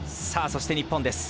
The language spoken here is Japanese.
そして日本です。